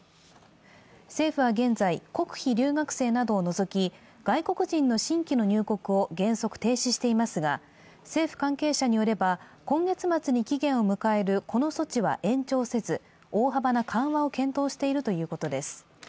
政府は現在、国費留学生などを除き外国人の新規の入国を原則停止していますが、政府関係者によれば今月末に期限を迎えるこの措置は延長せず、大幅な緩和を検討しているということです。